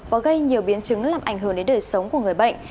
và gây nhiều biến chứng làm ảnh hưởng đến đời sống của người bệnh